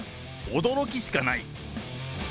驚きしかない。